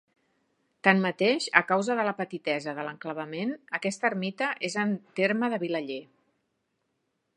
Tanmateix, a causa de la petitesa de l'enclavament, aquesta ermita és en terme de Vilaller.